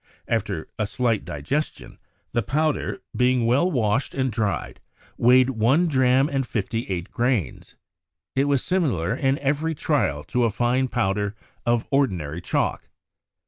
After a slight digestion, the powder, being well washed and dried, weighed one dram and fifty eight grains. It was similar in every trial to a fine powder of ordinary chalk."